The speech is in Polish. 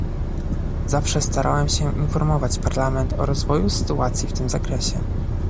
Zawsze starałem się informować Parlament o rozwoju sytuacji w tym zakresie